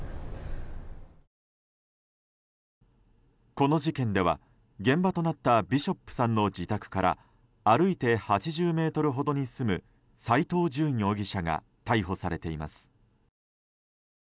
この事件では、現場となったビショップさんの自宅から歩いて８０ｍほどに住む斎藤淳容疑者が逮捕されています。